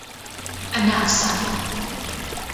อนาถสัส